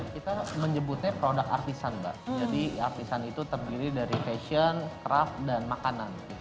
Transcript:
kita menyebutnya produk artisan mbak jadi artisan itu terdiri dari fashion craft dan makanan